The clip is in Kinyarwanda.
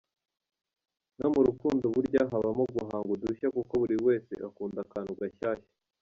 No mu rukundo burya habamo guhanga udushya kuko buri wese akunda akantu gashyashya.